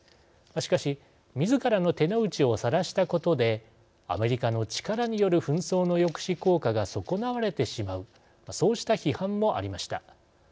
しかし、みずからの手の内をさらしたことでアメリカの力による紛争の抑止効果が損なわれてしまうそうした批判もありました。